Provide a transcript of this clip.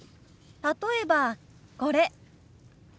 例えばこれ。